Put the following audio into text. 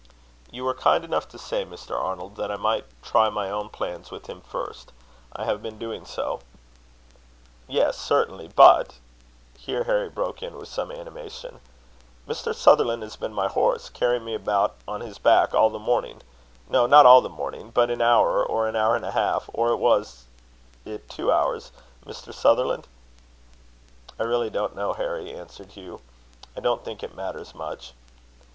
"You were kind enough to say, Mr. Arnold, that I might try my own plans with him first. I have been doing so." "Yes certainly. But " Here Harry broke in with some animation: "Mr. Sutherland has been my horse, carrying me about on his back all the morning no, not all the morning but an hour, or an hour and a half or was it two hours, Mr. Sutherland?" "I really don't know, Harry," answered Hugh; "I don't think it matters much."